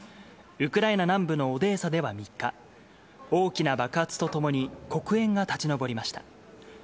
ウクライナ南部のオデーサでは３日、大きな爆発とともに黒煙が立ち上りました。